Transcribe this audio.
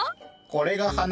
これが花？